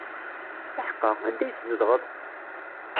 Iḥeqqa, anda i tzedɣeḍ?